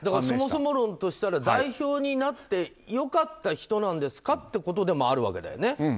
そもそも論としては代表になって良かった人なんですかということでもあるわけだよね。